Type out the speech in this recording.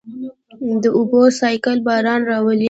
د اوبو سائیکل باران راولي.